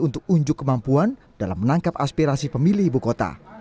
untuk unjuk kemampuan dalam menangkap aspirasi pemilih ibu kota